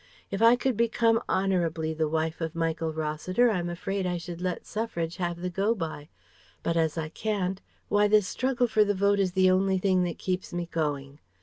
If I could become honourably the wife of Michael Rossiter I'm afraid I should let Suffrage have the go by. But as I can't, why this struggle for the vote is the only thing that keeps me going.